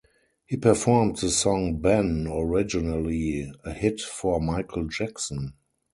He performed the song "Ben", originally a hit for Michael Jackson.